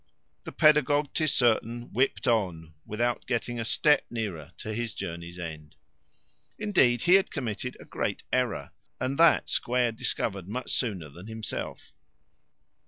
The pedagogue, 'tis certain, whipped on, without getting a step nearer to his journey's end. Indeed he had committed a great error, and that Square discovered much sooner than himself.